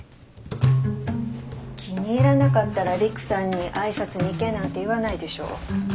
気に入らなかったら陸さんに挨拶に行けなんて言わないでしょ。